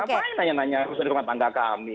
ngapain hanya nanya urusan rumah tangga kami